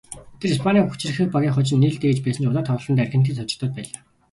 Тэд Испанийн хүчирхэг багийг хожин нээлтээ хийж байсан ч удаах тоглолтдоо Аргентинд хожигдоод байлаа.